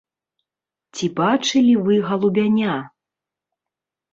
Ці бачылі вы галубяня?